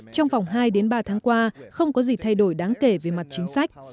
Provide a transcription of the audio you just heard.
trong vòng hai đến ba tháng qua không có gì thay đổi đáng kể về mặt chính sách